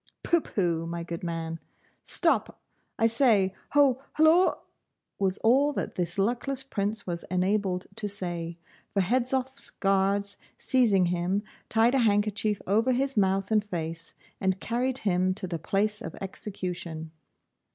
'Pooh, pooh, my good man! Stop, I say, ho! hulloa!' was all that this luckless Prince was enabled to say, for Hedzoff's guards seizing him, tied a handkerchief over his mouth and face, and carried him to the place of execution.